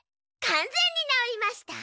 かんぜんになおりました。